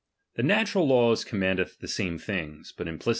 The natxiral laws command the same things, bnt implicitly.